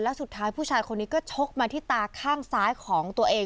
แล้วสุดท้ายผู้ชายคนนี้ก็ชกมาที่ตาข้างซ้ายของตัวเอง